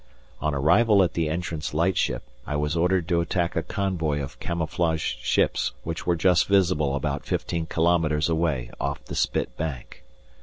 On arrival at the entrance lightship, I was ordered to attack a convoy of camouflaged ships which were just visible about fifteen kilometres away off the Spit Bank.